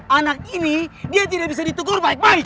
anak ini dia tidak bisa ditegur baik baik